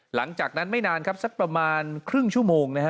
หลังจากนั้นไม่นานครับสักประมาณครึ่งชั่วโมงนะฮะ